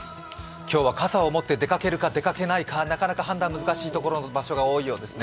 今日は傘を持って出かけるか、出かけないか、なかなか判断が難しいところが多いようですね。